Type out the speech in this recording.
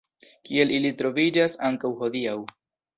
Kiel ili troviĝas ankaŭ hodiaŭ.